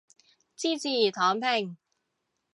支持躺平